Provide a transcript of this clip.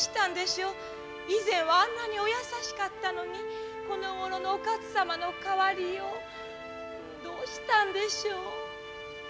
以前はあんなにお優しかったのにこのごろのお勝様の変わりようどうしたんでしょう。